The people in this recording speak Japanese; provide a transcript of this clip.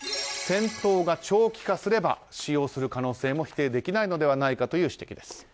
戦闘が長期化すれば使用する可能性も否定できないのではないかという指摘です。